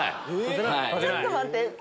ちょっと待って。